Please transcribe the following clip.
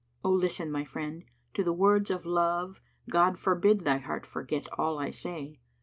Oh listen, my friend, to the words of love * God forbid thy heart forget all I say!